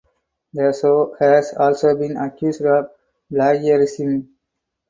The show has also been accused of plagiarism.